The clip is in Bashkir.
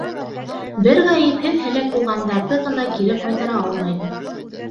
Бер ғәйепһеҙ һәләк булғандарҙы ғына кире ҡайтара алмайбыҙ.